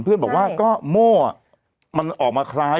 เพื่อนบอกว่าก็โม่มันออกมาคล้าย